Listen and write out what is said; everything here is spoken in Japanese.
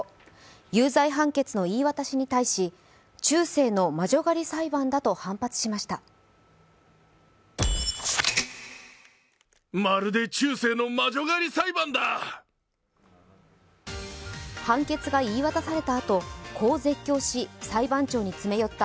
有罪判決の言い渡しに対し中世の魔女狩り裁判だと反発しました。